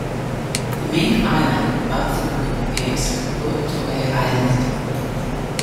The main island of the group is Po Toi Island.